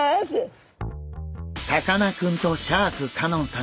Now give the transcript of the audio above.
さかなクンとシャーク香音さん